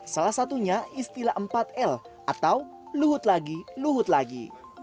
salah satunya istilah empat l atau luhut lagi luhut lagi